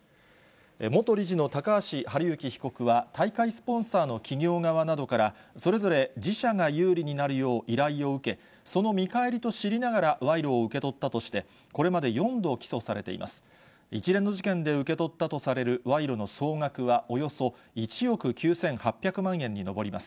元理事の高橋治之被告は、大会スポンサーの企業側などから、それぞれ自社が有利になるよう依頼を受け、その見返りと知りながら、賄賂を受け取ったとして、これまで４度起訴されています。